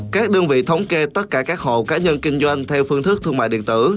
các đơn vị thống kê tất cả các hộ cá nhân kinh doanh theo phương thức thương mại điện tử